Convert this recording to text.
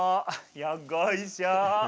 よっこいしょ。